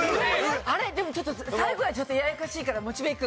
あれでもちょっと最後がちょっとややこしいからモチベいく。